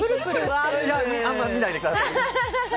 あんま見ないでください。